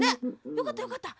よかったよかった。